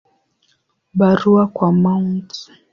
Barua kwa Mt.